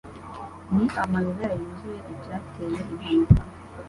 Ni amayobera yuzuye icyateye impanuka.